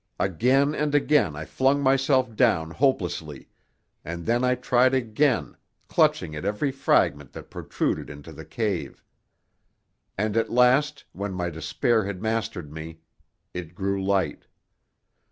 Again and again I flung myself down hopelessly, and then I tried again, clutching at every fragment that protruded into the cave. And at last, when my despair had mastered me it grew light.